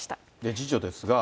次女ですが。